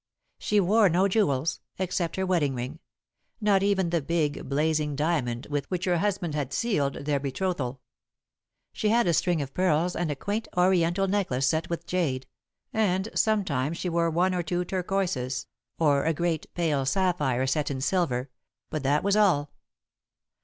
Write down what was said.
She wore no jewels, except her wedding ring not even the big, blazing diamond with which her husband had sealed their betrothal. She had a string of pearls and a quaint, oriental necklace set with jade, and sometimes she wore one or two turquoises, or a great, pale sapphire set in silver, but that was all.